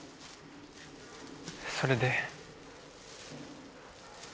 それで？